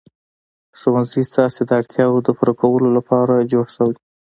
ښوونځی ستاسې د اړتیاوو د پوره کولو لپاره جوړ شوی.